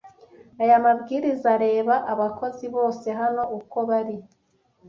Aya mabwiriza areba abakozi bose hano uko bari